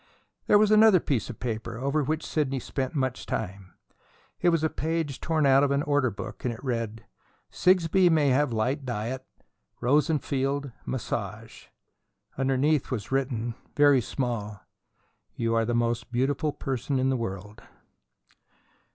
There was another piece of paper over which Sidney spent much time. It was a page torn out of an order book, and it read: "Sigsbee may have light diet; Rosenfeld massage." Underneath was written, very small: "You are the most beautiful person in the world."